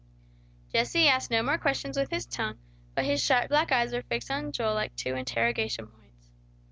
Jesse asked no more questions with his tongue; but his sharp, black eyes were fixed on Joel like two interrogation points.